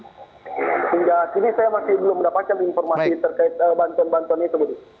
tidak saya masih belum mendapatkan informasi terkait bantuan bantuan itu